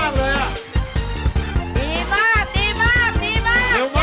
เร็ว